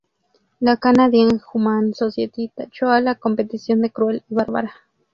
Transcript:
La Canadian Humane Society tachó a la competición de cruel y bárbara.